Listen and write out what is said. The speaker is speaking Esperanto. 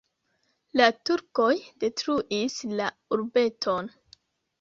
La turkoj detruis la urbeton.